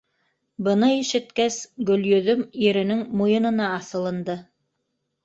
Быны ишеткәс, Гөлйөҙөм иренең муйынына аҫылынды.